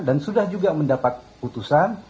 dan sudah juga mendapat putusan